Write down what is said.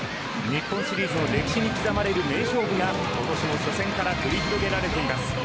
日本シリーズの歴史に刻まれる名勝負が今年も初戦から繰り広げられています。